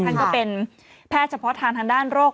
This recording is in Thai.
ท่านก็เป็นแพทย์เฉพาะทางทางด้านโรค